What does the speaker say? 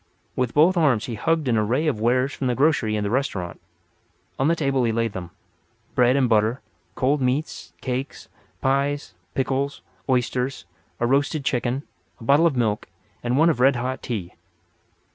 With both arms he hugged an array of wares from the grocery and the restaurant. On the table he laid them—bread and butter, cold meats, cakes, pies, pickles, oysters, a roasted chicken, a bottle of milk and one of red hot tea.